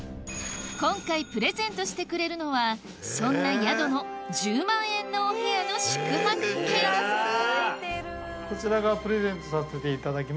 今回プレゼントしてくれるのはそんな宿のこちらがプレゼントさせていただきます